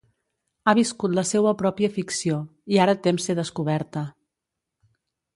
Ha viscut la seua pròpia ficció, i ara tem ser descoberta.